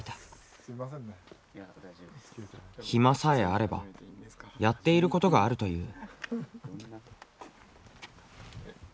暇さえあればやっていることがあるという。